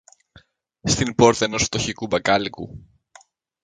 στην πόρτα ενός φτωχικού μπακάλικου